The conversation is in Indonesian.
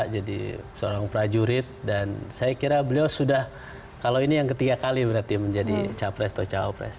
jadi seorang prajurit dan saya kira beliau sudah kalau ini yang ketiga kali berarti menjadi cawapres atau cawapres